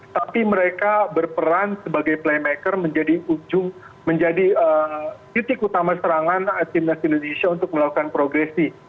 tapi mereka berperan sebagai playmaker menjadi ujung menjadi titik utama serangan timnas indonesia untuk melakukan progresi